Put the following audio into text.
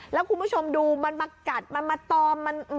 แล้วคุณผู้ชมดูมันมากัดมันมาตอมมัน